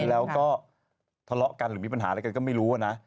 แล้วก็ทะเลาะกันหรือมีปัญหาอะไรกันก็ไม่รู้นะ